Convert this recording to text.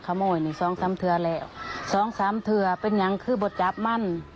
ได้รับให้เหล็กถึงแล้วก็หาที่ชาวมาน